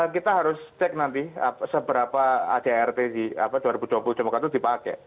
kita harus cek nanti seberapa adrt di dua ribu dua puluh demokrat itu dipakai